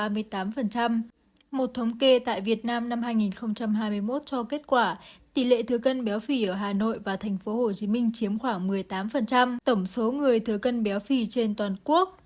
một thống kê tại việt nam năm hai nghìn hai mươi một cho kết quả tỷ lệ thừa cân béo phì ở hà nội và tp hcm chiếm khoảng một mươi tám tổng số người thừa cân béo phì trên toàn quốc